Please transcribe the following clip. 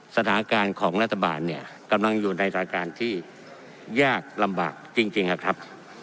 สถานการณ์ของรัฐบาลเนี่ยกำลังอยู่ในสถานการณ์ที่ยากลำบากจริงครับ